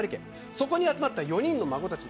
そこに集まった４人の孫たち。